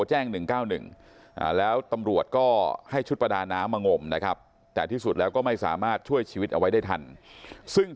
แล้วน้องอีกคนหนึ่งจะขึ้นปรากฏว่าต้องมาจมน้ำเสียชีวิตทั้งคู่